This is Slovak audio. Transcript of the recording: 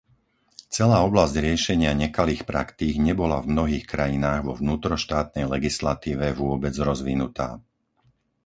Celá oblasť riešenia nekalých praktík nebola v mnohých krajinách vo vnútroštátnej legislatíve vôbec rozvinutá